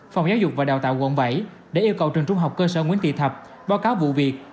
phòng giáo dục và đào tạo quận bảy đã yêu cầu trường trung học cơ sở nguyễn thị thập báo cáo vụ việc